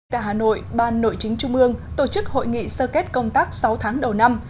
tại hà nội ban nội chính trung ương tổ chức hội nghị sơ kết công tác sáu tháng đầu năm